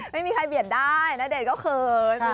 ไม่มีใครเบียดได้ณเดชน์ก็เขิน